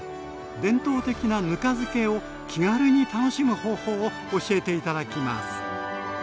伝統的なぬか漬けを気軽に楽しむ方法を教えて頂きます。